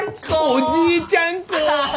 おじいちゃん子！